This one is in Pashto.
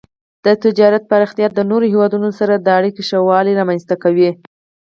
د تجارت پراختیا د نورو هیوادونو سره د اړیکو ښه والی رامنځته کوي.